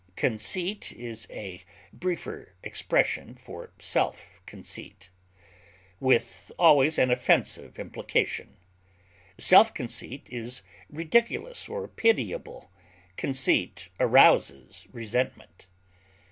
Conceit is a briefer expression for self conceit, with always an offensive implication; self conceit is ridiculous or pitiable; conceit arouses resentment.